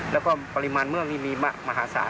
แล้วก็ปริมาณเมื่อมีมหาศาล